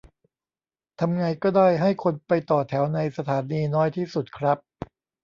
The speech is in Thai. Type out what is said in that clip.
ทำไงก็ได้ให้คนไปต่อแถวในสถานีน้อยที่สุดครับ